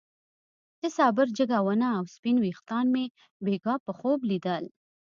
د صابر جګه ونه او سپين ويښتان مې بېګاه په خوب ليدل.